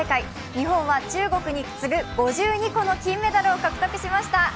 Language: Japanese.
日本は中国に次ぐ５２個の金メダルを獲得しました。